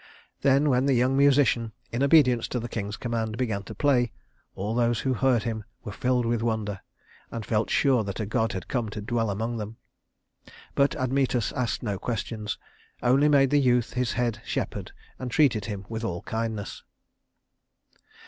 Then when the young musician, in obedience to the king's command, began to play, all those who heard him were filled with wonder, and felt sure that a god had come to dwell among them. But Admetus asked no questions, only made the youth his head shepherd and treated him with all kindness.